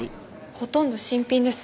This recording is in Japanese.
ほとんど新品です。